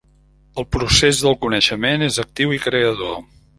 El procés del coneixement és actiu i creador.